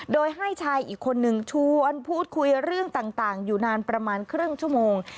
โดยให้ชายอีกคนนึงชวนพูดคุยเรื่องต่างอยู่นานประมาณครึ่งชั่วโมง